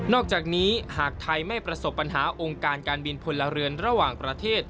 อกจากนี้หากไทยไม่ประสบปัญหาองค์การการบินพลเรือนระหว่างประเทศ